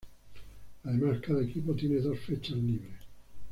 Además cada equipo tiene dos fechas libres.